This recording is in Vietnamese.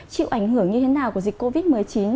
chịu ảnh hưởng như thế nào của dịch covid một mươi chín